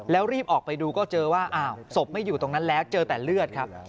แล้วรีบออกไปดูก็เจอว่าอ้าวศพไม่อยู่ตรงนั้นแล้วเจอแต่เลือดครับ